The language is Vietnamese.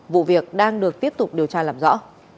vụ việc đang được tiếp tục điều tra làm rõ